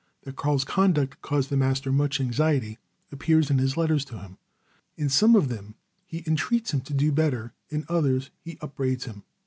That Karl's conduct caused the master much anxiety appears in his letters to him. In some of them he entreats him to do better, in others he upbraids him.